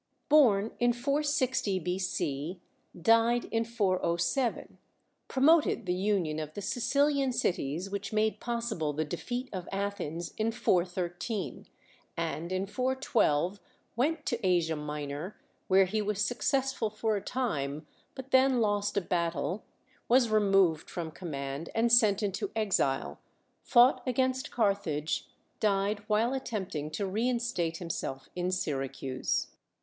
Born in 400 B.C., died in 407; promoted tlie union of tlie Sicilian cities which made po.ssibl* tlie defeat of Atliens in 413; and in 4Vi went to Asia Minor, wliere he was successful for a time, but then lost a. battle, was removed from command and sent into exile; fought against Carthage; died while attempting to reinstate him self in Syracuse.